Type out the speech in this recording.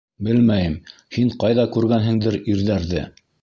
Белмәйем, һин ҡайҙа күргәнһеңдер ирҙәрҙе.